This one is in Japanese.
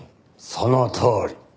そのとおり。